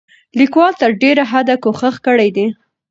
لیکوال تر ډېره حده کوښښ کړی دی،